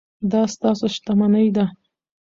دا ستاسو شتمني ده.